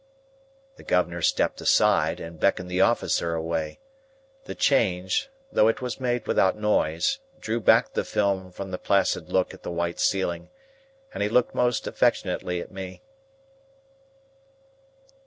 The governor stepped aside, and beckoned the officer away. The change, though it was made without noise, drew back the film from the placid look at the white ceiling, and he looked most affectionately at me.